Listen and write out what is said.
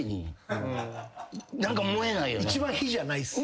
一番火じゃないっすね。